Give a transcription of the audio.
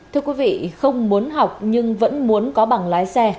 thưa quý vị không muốn học nhưng vẫn muốn có bằng lái xe